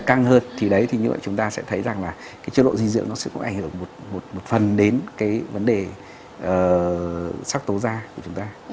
căng hơn thì đấy thì như vậy chúng ta sẽ thấy rằng là cái chế độ dinh dưỡng nó sẽ cũng ảnh hưởng một phần đến cái vấn đề sắc tố da của chúng ta